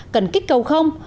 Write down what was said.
cần kích cầu không